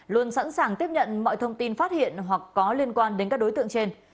luôn sẵn sàng tiếp nhận mọi thông tin phát hiện hoặc có liên quan đến các đối tượng trên